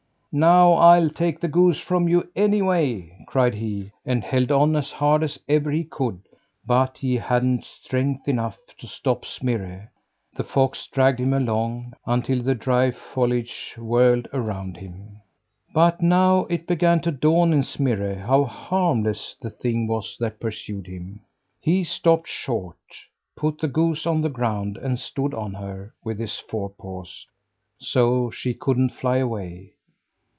"Now I'll take the goose from you anyway," cried he, and held on as hard as ever he could, but he hadn't strength enough to stop Smirre. The fox dragged him along until the dry foliage whirled around him. But now it began to dawn on Smirre how harmless the thing was that pursued him. He stopped short, put the goose on the ground, and stood on her with his forepaws, so she couldn't fly away.